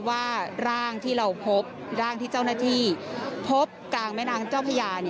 ว่าร่างที่เราพบร่างที่เจ้าหน้าที่พบกลางแม่น้ำเจ้าพญา